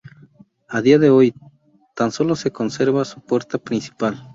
A día de hoy, tan sólo se conserva su puerta principal.